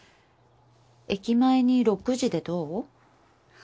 駅前に６時でどう？